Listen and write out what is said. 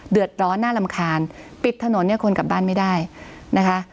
เดือดร้อนน่ารำคาญปิดถนนเนี่ยคนกลับบ้านไม่ได้นะคะ